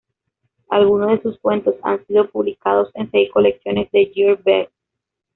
Algunos de sus cuentos han sido publicados en seis colecciones de Year's Best.